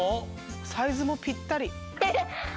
サイズもぴったり。